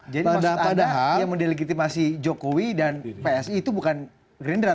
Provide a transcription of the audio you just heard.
jadi maksud anda yang delegitimasi jokowi dan psi itu bukan rendera